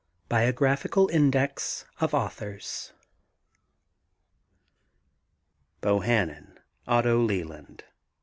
BIOGRAPHICAL INDEX OF AUTHORS BOHANAN, OTTO LELAND.